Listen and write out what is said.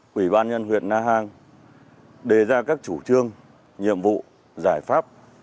quỹ ban nhân huyện na hàng đề ra các chủ trương nhiệm vụ giải pháp